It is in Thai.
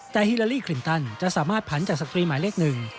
แต่ฮิลาลีคลินตันจะสามารถผันจากสตรีหมายเลขหนึ่ง